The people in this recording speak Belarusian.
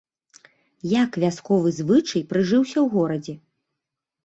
Як вясковы звычай прыжыўся ў горадзе?